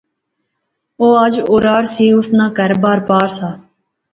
او اج اورار سی، اس نا کہھر بار پار سا